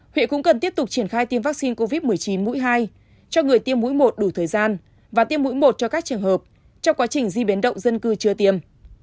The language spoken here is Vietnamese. huyện cũng cần tiếp tục triển khai tiêm vaccine covid một mươi chín mũi hai cho người tiêm mũi một đủ thời gian và tiêm mũi một cho các trường hợp trong quá trình di biến động dân cư chưa tiêm